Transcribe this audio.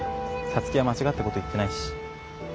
皐月は間違ったこと言ってないし。